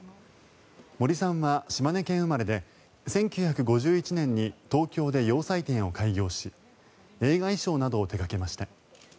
森さんは島根県生まれで１９５１年に東京で洋裁店を開業し映画衣装などを手掛けました。